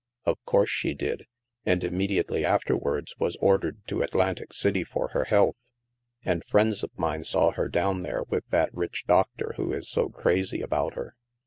" Of course she did. And immediately after wards was ordered to Atlantic City for her health. And friends of mine saw her down there with that rich doctor who is so crazy about her.